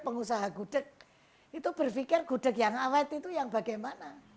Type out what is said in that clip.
mereka berpikir gudeg yang awet itu yang bagaimana